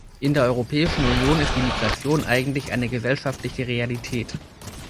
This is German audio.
In der Europäischen Union ist die Migration eigentlich eine gesellschaftliche Realität.